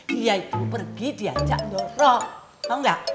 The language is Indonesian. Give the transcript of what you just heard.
dia itu pergi diajak dorong tau gak